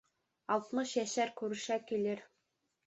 Алтмыш йәшәр күрешә килер.